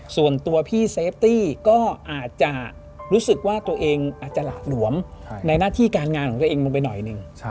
ส่วนตัวพี่เซฟตี้ก็อาจจะรู้สึกว่าตัวเองอาจจะหละหลวมในหน้าที่การงานของตัวเองลงไปหน่อยหนึ่ง